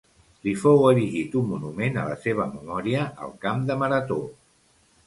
Li fou erigit un monument a la seva memòria al camp de Marató.